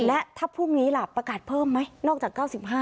และถ้าพรุ่งนี้ล่ะประกาศเพิ่มไหมนอกจาก๙๕